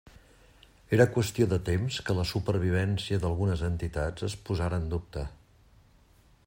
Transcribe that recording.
Era qüestió de temps que la supervivència d'algunes entitats es posara en dubte.